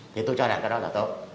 thì tôi cho rằng cái đó là tốt